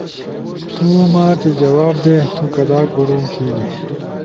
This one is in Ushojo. تو ما تھی جواب دے تو کدا کوروم تھین